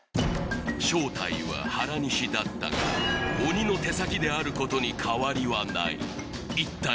正体は原西だったが鬼の手先であることに変わりはない一体